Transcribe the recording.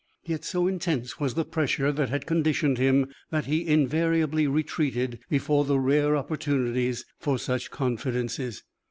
Yet so intense was the pressure that had conditioned him that he invariably retreated before the rare opportunities for such confidences.